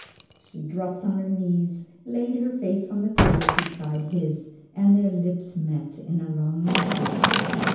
She dropped on her knees, laid her face on the pillow beside his, and their lips met in a long kiss.